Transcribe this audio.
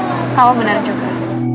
iya kamu benar juga